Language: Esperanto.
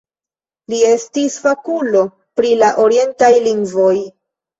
Li estis fakulo pri la orientaj lingvoj.